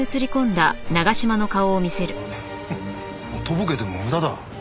とぼけても無駄だ。